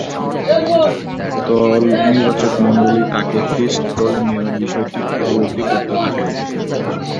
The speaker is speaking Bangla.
দল নির্বাচকমণ্ডলী তাকে টেস্ট দলে নেয়ার বিষয়টি উপলব্ধি করতে থাকেন।